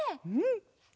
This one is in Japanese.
うん！